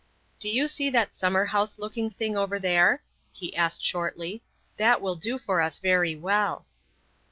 "Do you see that summer house looking thing over there?" he asked shortly. "That will do for us very well."